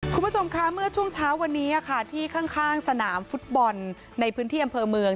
คุณผู้ชมคะเมื่อช่วงเช้าวันนี้ค่ะที่ข้างสนามฟุตบอลในพื้นที่อำเภอเมือง